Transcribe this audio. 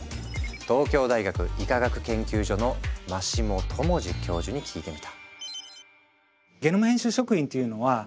東京大学医科学研究所の真下知士教授に聞いてみた。